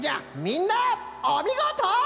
みんなおみごと！